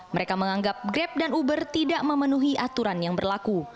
mereka menganggap grab dan uber tidak memenuhi aturan yang berlaku